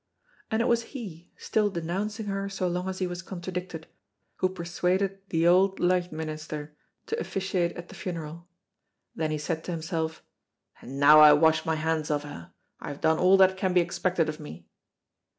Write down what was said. And it was he, still denouncing her so long as he was contradicted, who persuaded the Auld Licht Minister to officiate at the funeral. Then he said to himself, "And now I wash my hands of her, I have done all that can be expected of me."